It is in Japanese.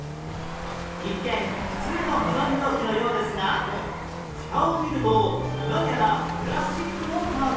一見普通の保存容器のようですがフタを見ると何やらプラスチックのパーツが